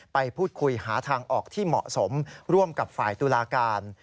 ไปพูดคุยหาทางออกที่เหมาะสมร่วมกับฝ่ายตุลาการ